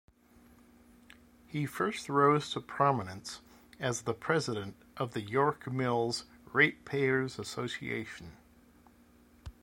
He first rose to prominence as the president of the York Mills Ratepayers Association.